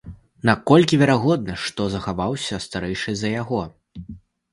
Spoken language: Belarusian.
Наколькі верагодна, што захаваўся старэйшы за яго?